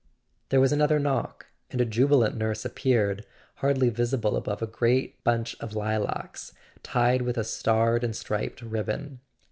.. There was another knock; and a jubilant nurse appeared, hardly visible above a great bunch of lilacs tied with a starred and striped ribbon.